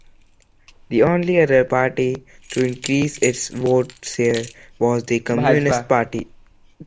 The only other party to increase its vote share was the Communist Party.